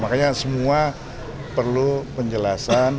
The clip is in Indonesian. makanya semua perlu penjelasan